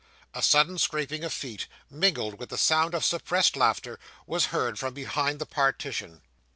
A sudden scraping of feet, mingled with the sound of suppressed laughter, was heard from behind the partition.